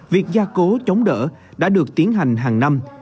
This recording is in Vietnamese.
việc gia cố chống đỡ đã được tiến hành hàng năm